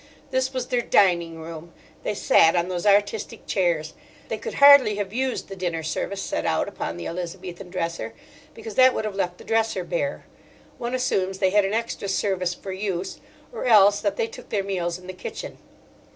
This was their "Dining Room." They sat on those artistic chairs. They could hardly have used the dinner service set out upon the Elizabethan dresser, because that would have left the dresser bare: one assumes they had an extra service for use, or else that they took their meals in the kitchen.